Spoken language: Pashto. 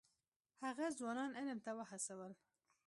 هغه ځوانان علم ته وهڅول.